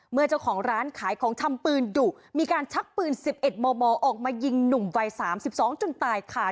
เมื่อเจ้าของร้านขายของชำปืนดุมีการชักปืน๑๑มมออกมายิงหนุ่มวัย๓๒จนตายค่ะ